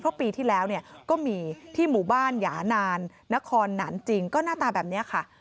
เพราะปีที่แล้วก็มีที่หมู่บ้านหยานานนครหนานจริงก็หน้าตาแบบนี้ค่ะ